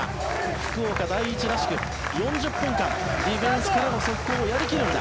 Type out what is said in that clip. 福岡第一らしく４０分間、ディフェンスからの速攻をやり切るんだ。